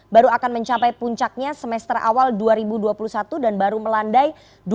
baru akan mencapai puncaknya semester awal dua ribu dua puluh satu dan baru melandai dua ribu dua puluh